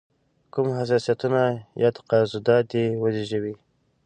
کوم حساسیتونه یا تضادات دې وزېږوي.